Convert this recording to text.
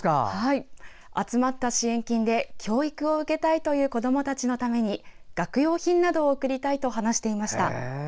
集まった支援金で教育を受けたいという子どもたちのために学用品などを贈りたいと話していました。